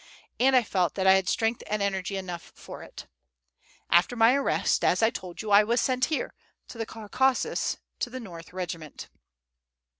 And I felt that I had strength and energy enough for it. After my arrest, as I told you, I was sent here to the Caucasus to the N. regiment.